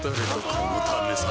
このためさ